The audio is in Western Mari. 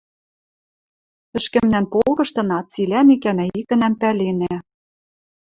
Ӹшкӹмнӓн полкыштына цилӓн икӓнӓ-иктӹнӓм пӓленӓ.